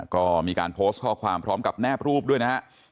ก็มีการโพสต์ข้อความพร้อมกับแนบรูปด้วยนะครับ